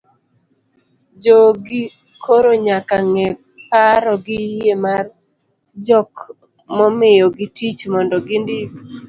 jogi koro nyaka ng'e paro gi yie mar jok momiyogi tich mondo gindik